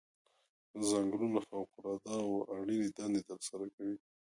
ځنګلونه فوق العاده او اړینې دندې ترسره کوي.